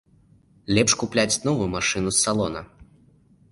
Лепш купляць новую машыну, з салона.